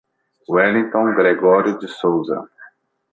Welliton Gregorio de Souza